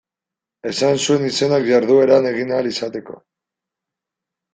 Esan zuen izenak jardueran egin ahal izateko.